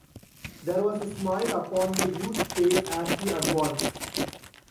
There was a smile upon the youth’s face as he advanced.